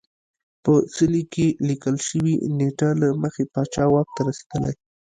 په څلي کې لیکل شوې نېټه له مخې پاچا واک ته رسېدلی